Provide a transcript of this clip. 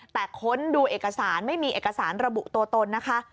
แต่ค้นดูเอกสารไม่มีเอกสารระบุตัวตนนะคะ